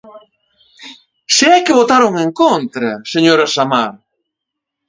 ¡Se é que votaron en contra, señora Samar!